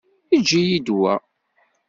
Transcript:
Eǧǧ-iyi-d wa.